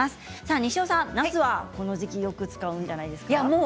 西尾さん、なすはこの時期よく使うんじゃないですか？